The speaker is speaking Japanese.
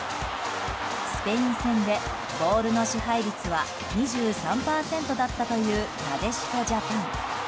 スペイン戦でボールの支配率は２３％だったというなでしこジャパン。